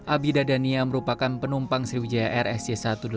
abida dania merupakan penumpang sriwijaya air sj satu ratus delapan puluh dua